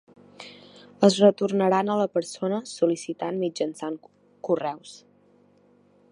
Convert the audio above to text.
Es retornaran a la persona sol·licitant mitjançant Correus.